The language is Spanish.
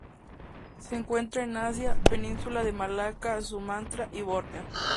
Se encuentran en Asia: Península de Malaca, Sumatra y Borneo.